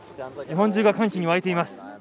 日本中が歓喜に沸いています。